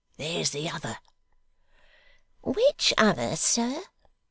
there's the other.' 'Which other, sir?